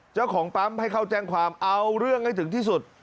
เจ้าของปั๊มให้เข้าแจ้งความเอาเรื่องให้ถึงที่สุด